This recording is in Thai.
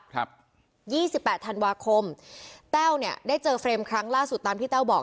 ยี่สิบแปดธันวาคมแต้วเนี่ยได้เจอเฟรมครั้งล่าสุดตามที่แต้วบอก